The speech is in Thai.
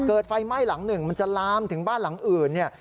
ไฟไหม้หลังหนึ่งมันจะลามถึงบ้านหลังอื่นเนี่ย